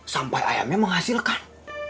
sampai ayamnya menghasilkan